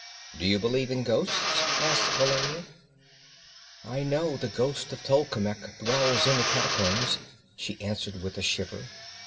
"Do you believe in ghosts?" asked Valeria. "I know the ghost of Tolkemec dwells in the catacombs," she answered with a shiver.